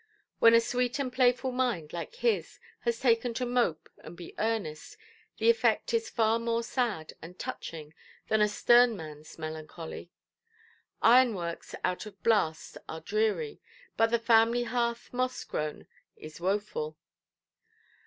When a sweet and playful mind, like his, has taken to mope and be earnest, the effect is far more sad and touching than a stern manʼs melancholy. Ironworks out of blast are dreary, but the family hearth moss–grown is woeful.